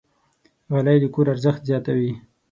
غالۍ د کور ارزښت زیاتوي.